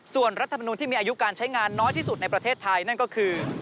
ส่วนรัฐมนุนที่มีอายุการใช้งานน้อยที่สุดในประเทศไทยนั่นก็คือ